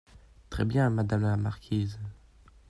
Très bien, madame la marquise.